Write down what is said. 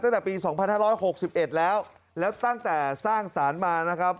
ตั้งแต่ปี๒๕๖๑แล้วแล้วตั้งแต่สร้างสารมานะครับ